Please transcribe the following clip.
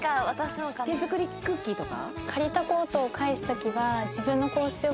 「手作りクッキーとか？」